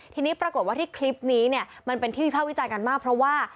ทีนี้ปรากฏว่าที่คลิปนี้เนี่ยมันเป็นที่วิภาควิจารณ์กันมากเพราะว่า